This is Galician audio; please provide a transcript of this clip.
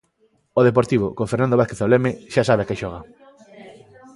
O Deportivo, con Fernando Vázquez ao leme, xa sabe a que xoga.